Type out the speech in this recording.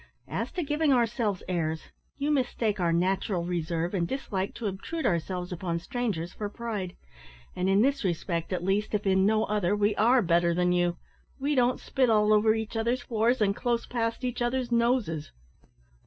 As to giving ourselves airs, you mistake our natural reserve and dislike to obtrude ourselves upon strangers for pride; and in this respect, at least, if in no other, we are better than you we don't spit all over each other's floors and close past each other's noses."